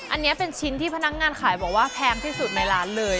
อันนี้เป็นชิ้นที่พนักงานขายบอกว่าแพงที่สุดในร้านเลย